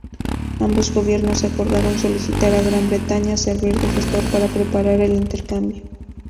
Ambos gobiernos acordaron solicitar a Gran Bretaña servir de gestor para preparar el intercambio.